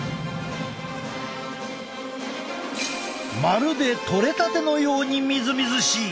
まるでとれたてのようにみずみずしい！